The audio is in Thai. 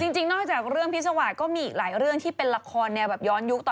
จริงจริงนอกจากเรื่องพิศวรรษมีอีกหลายเรื่องที่เป็นราคอนแนวแบบย้อนยุค